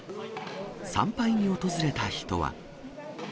参拝に訪れた人は。